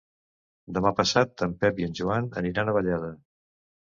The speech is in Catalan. Demà passat en Pep i en Joan aniran a Vallada.